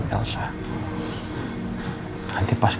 nengang kenapa nih kok